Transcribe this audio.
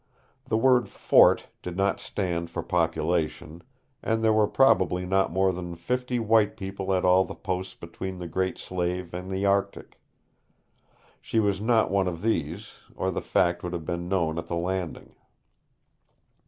The word "Fort" did not stand for population, and there were probably not more than fifty white people at all the posts between the Great Slave and the Arctic. She was not one of these, or the fact would have been known at the Landing.